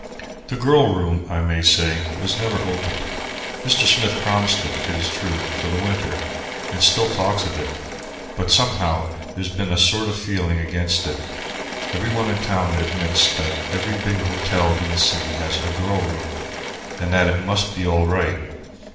The "girl room," I may say, was never opened. Mr. Smith promised it, it is true, for the winter, and still talks of it. But somehow there's been a sort of feeling against it. Every one in town admits that every big hotel in the city has a "girl room" and that it must be all right.